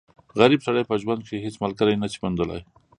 غریب سړی په ژوند کښي هيڅ ملګری نه سي موندلای.